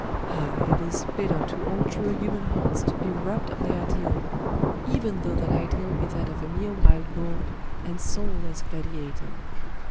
Ah, it is bitter to all true human hearts to be robbed of their ideal, even though that ideal be that of a mere wild bull, and soulless gladiator....